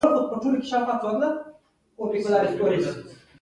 چې د هوايي ميدان د سړک پر غاړه جوړ سوي وو.